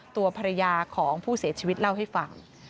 ตัวภรรยาของผู้เสียชีวิตเล่าให้ฟัง